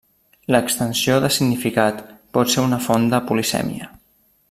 L'extensió de significat pot ser una font de polisèmia.